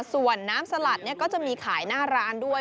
ส่วนน้ำสลัดก็จะมีขายหน้าร้านด้วย